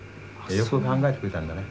よく考えてくれたんだね。